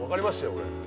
俺。